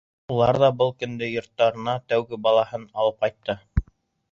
Улар ҙа был көндө йорттарына тәүге балаһын алып ҡайтты.